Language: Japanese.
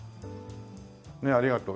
ねえありがとう。